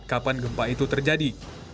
kapan gempa itu terjadi